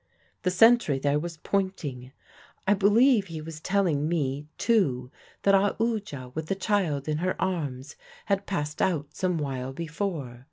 "The sentry there was pointing. I believe he was telling me, too, that Aoodya, with the child in her arms, had passed out some while before.